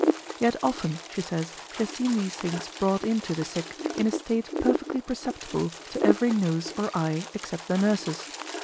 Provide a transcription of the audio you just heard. Yet often, she says, she has seen these things brought in to the sick, in a state perfectly perceptible to every nose or eye except the nurse's.